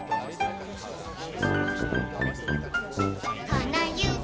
「このゆび